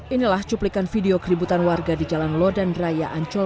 inilah cuplikan video keributan warga di jalan lodan raya ancol